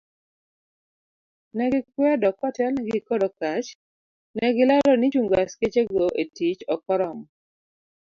Ne gikwedo kotelnegi kod Okatch, negilero ni chungo askechego etich ok oromo.